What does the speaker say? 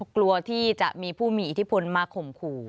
กลัวที่จะมีผู้มีอิทธิพลมาข่มขู่